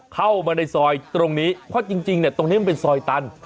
เข้ามาในซอยตรงนี้เพราะจริงเนี่ยตรงนี้มันเป็นซอยตัน